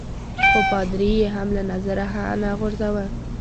خو پادري يي هم له نظره نه غورځاوه.